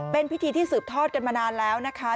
เป็นพิธีที่สืบทอดกันมานานแล้วนะคะ